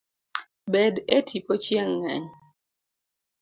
Bed e tipo chieng' ng'eny